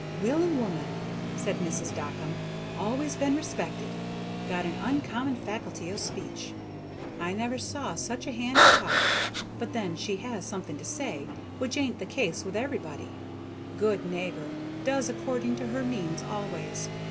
"Willin' woman," said Mrs. Dockum, "always been respected; got an uncommon facility o' speech. I never saw such a hand to talk, but then she has something to say, which ain't the case with everybody. Good neighbor, does according to her means always.